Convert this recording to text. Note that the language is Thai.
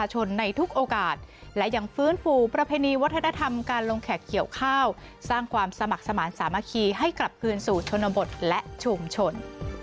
ให้กลับคืนสู่ชนบทและชุมชน